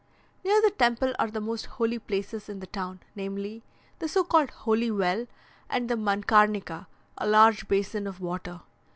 Near the temple are the most holy places in the town, namely the so called "holy well" and the Mankarnika, a large basin of water.